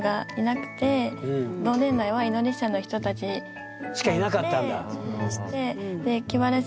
私がそのしかいなかったんだ。